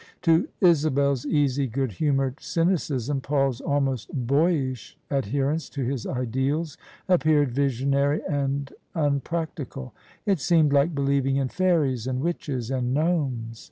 To Isabel's easy, good humoured cynicism, Paul's almost boyish adherence to his ideals appeared visionary and un practical. It seemed like believing in fairies and witches and gnomes.